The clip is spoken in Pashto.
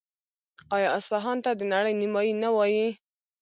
آیا اصفهان ته د نړۍ نیمایي نه وايي؟